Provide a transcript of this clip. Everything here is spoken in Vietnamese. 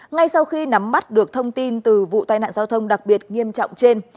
ngay sau khi nắm bắt được thông tin từ vụ tai nạn giao thông đặc biệt nghiêm trọng trên